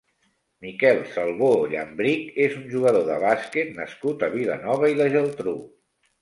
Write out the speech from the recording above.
Miquel Salvó Llambrich és un jugador de bàsquet nascut a Vilanova i la Geltrú.